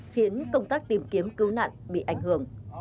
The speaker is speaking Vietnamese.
khiến công tác tìm kiếm cứu nạn bị ảnh hưởng